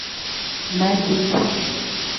Madeti.